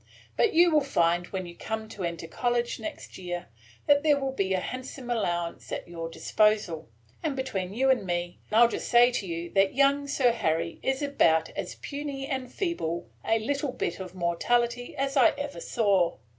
But you will find, when you come to enter college next year, that there will be a handsome allowance at your disposal; and, between you and me, I 'll just say to you that young Sir Harry is about as puny and feeble a little bit of mortality as I ever saw.